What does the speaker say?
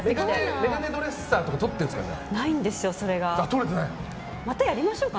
眼鏡ドレッサーとかとってるんですか？